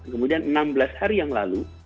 kemudian enam belas hari yang lalu